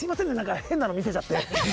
変なの見せちゃって。